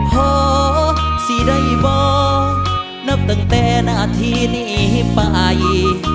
ขอสิได้บอกนับตั้งแต่นาทีนี้ไป